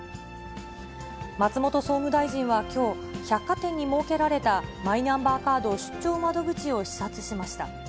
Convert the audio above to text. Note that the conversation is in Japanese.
松本総務大臣はきょう、百貨店に設けられたマイナンバーカード出張窓口を視察しました。